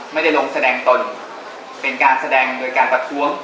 ไม่ได้ลงแสดงตนเป็นการแสดงโดยการประท้วง